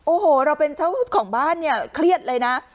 โอ้โหเราเป็นเจ้าของบ้านเนี่ยเครียดเลยนะ